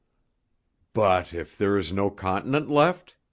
"But if there is no continent left?"